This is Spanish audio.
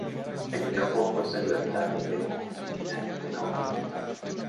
El vídeo fue puesto en libertad en Vevo y Tidal una hora más tarde.